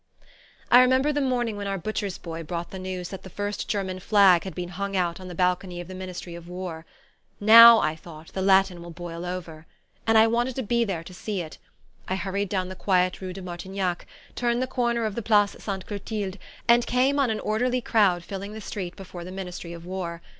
I remember the morning when our butcher's boy brought the news that the first German flag had been hung out on the balcony of the Ministry of War. Now I thought, the Latin will boil over! And I wanted to be there to see. I hurried down the quiet rue de Martignac, turned the corner of the Place Sainte Clotilde, and came on an orderly crowd filling the street before the Ministry of War.